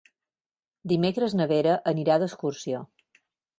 Dimecres na Vera anirà d'excursió.